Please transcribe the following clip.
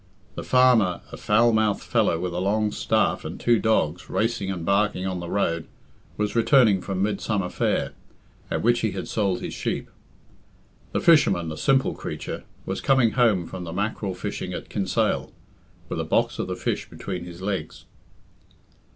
The farmer, a foul mouthed fellow with a long staff and two dogs racing and barking on the road, was returning from Midsummer fair, at which he had sold his sheep; the fisherman, a simple creature, was coming home from the mackerel fishing at Kinsale, with a box of the fish between his legs.